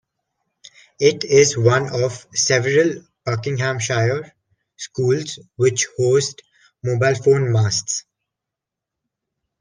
It is one of several Buckinghamshire schools which host mobile phone masts.